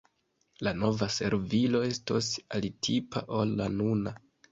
La nova servilo estos alitipa ol la nuna.